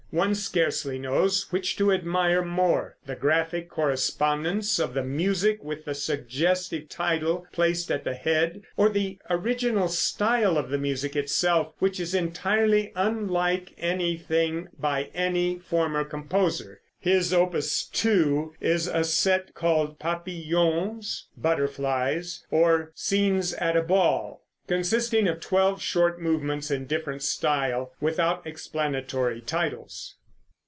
One scarcely knows which to admire more the graphic correspondence of the music with the suggestive title placed at the head, or the original style of the music itself, which is entirely unlike anything by any former composer. His Opus 2 is a set called Papillons, "Butterflies," or "Scenes at a Ball," consisting of twelve short movements in different style, without explanatory titles.